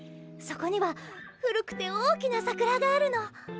そこには古くて大きな桜があるの。